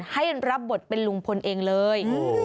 ให้รับบทเป็นลุงพลเองเลย